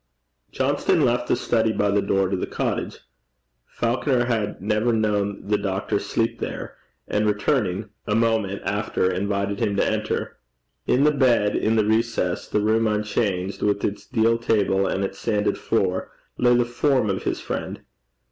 Johnston left the study by the door to the cottage Falconer had never known the doctor sleep there and returning a moment after, invited him to enter. In the bed in the recess the room unchanged, with its deal table, and its sanded floor lay the form of his friend.